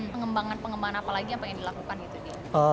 pengembangan pengembangan apa lagi apa yang dilakukan gitu